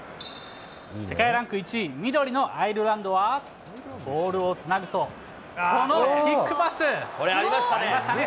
世界ランク１位、緑のアイルランドは、ボールをつなぐと、ありましたね。